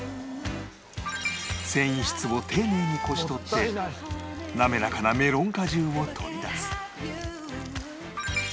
繊維質を丁寧にこし取って滑らかなメロン果汁を取り出す